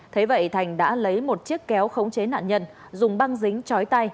thế vậy thành đã lấy một chiếc kéo khống chế nạn nhân dùng băng dính chói tay